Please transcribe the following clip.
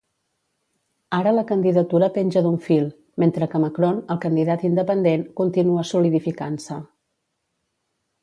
Ara la candidatura penja d'un fil, mentre que Macron, el candidat independent, continua solidificant-se.